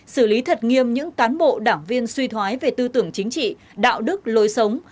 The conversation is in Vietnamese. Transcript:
xử lý thật nghiêm những cán bộ đảng viên suy thoái về tư tưởng chính trị đạo đức lối sống